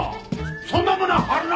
そんなもの貼るな！